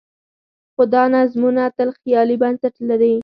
خو دا نظمونه تل خیالي بنسټ لري.